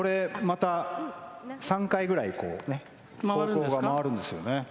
また、３回ぐらい方向が回るんですよね。